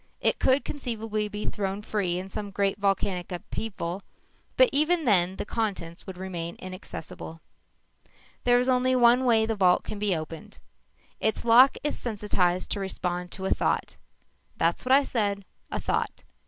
It could conceivably be thrown free in some great volcanic upheaval but even then the contents would remain inaccessible._ "_There is only one way the vault can be opened. Its lock is sensitized to respond to a thought. That's what I said a thought.